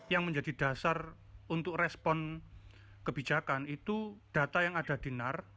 yang menjadi dasar untuk respon kebijakan itu data yang ada di nar